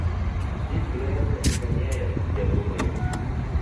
Здесь грязно и воняет, я думаю.